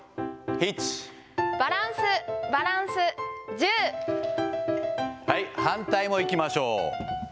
バランス、バランス、反対もいきましょう。